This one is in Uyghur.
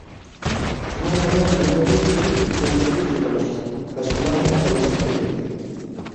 شۇنىڭ بىلەن زىيىنىمىز كۈن ئۆتكەنسېرى ئېغىرلاشتى، باشقىلارنىڭ پايدىسى كۆپەيدى.